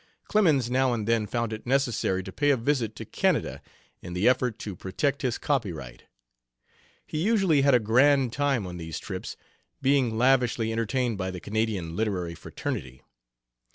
Clemens now and then found it necessary to pay a visit to Canada in the effort to protect his copyright. He usually had a grand time on these trips, being lavishly entertained by the Canadian literary fraternity.